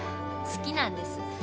好きなんです。